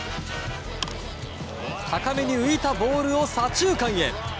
高めに浮いたボールを左中間へ。